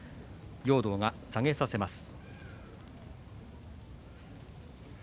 容堂が下げさせます。